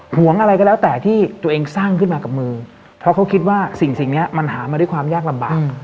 ห่วงอะไรก็แล้วแต่ที่ตัวเองสร้างขึ้นมากับมือเพราะเขาคิดว่าสิ่งนี้มันหามาด้วยความยากลำบาก